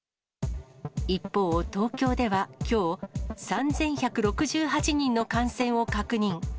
一方、東京ではきょう、３１６８人の感染を確認。